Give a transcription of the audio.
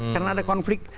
karena ada konflik